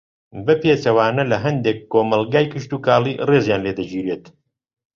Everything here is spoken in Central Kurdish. بە پێچەوانە لە ھەندێک کۆمەڵگەی کشتوکاڵی ڕێزیان لێدەگیرێت